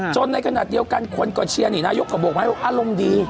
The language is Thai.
ในขณะเดียวกันคนก็เชียร์นี่นายกก็บวกไหมว่าอารมณ์ดี